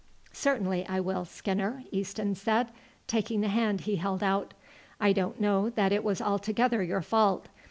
"Certainly I will, Skinner," Easton said, taking the hand he held out. "I don't know that it was altogether your fault.